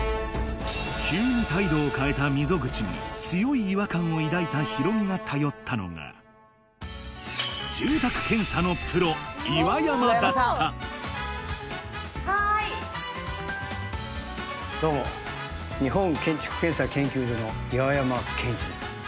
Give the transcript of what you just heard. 急に態度を変えた溝口に強い違和感を抱いた弘美が頼ったのがはーいどうも日本建築検査研究所の岩山健一です